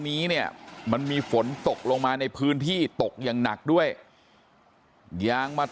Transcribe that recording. นี้เนี่ยมันมีฝนตกลงมาในพื้นที่ตกอย่างหนักด้วยยางมา